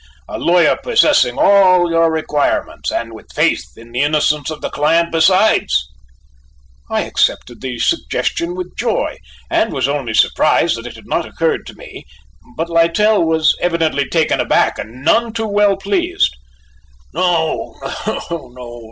A lawyer possessing all your requirements, and with faith in the innocence of the client besides!" I accepted the suggestion with joy, and was only surprised that it had not occurred to me, but Littell was evidently taken aback and none too well pleased. "No, no!